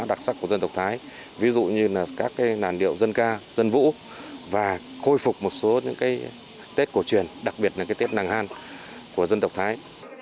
đặc sắc của dân tộc thái ví dụ như là các cái làn điệu dân ca dân vũ và khôi phục một số những cái tết cổ truyền đặc biệt là cái tết nàng han của dân tộc thái